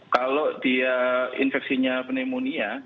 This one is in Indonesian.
kalau dia infeksinya pneumonia